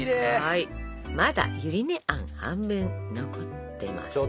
まだゆり根あん半分残ってますでしょ？